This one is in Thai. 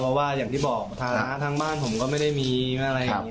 เพราะว่าอย่างที่บอกฐานะทางบ้านผมก็ไม่ได้มีอะไรอย่างนี้